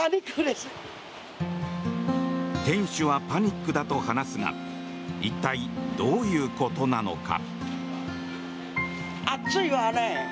店主はパニックだと話すが一体、どういうことなのか。